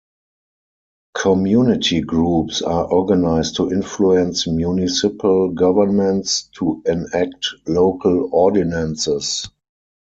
Community groups are organized to influence municipal governments to enact local ordinances.